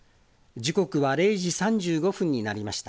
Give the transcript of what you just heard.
時刻は０時３５分になりました。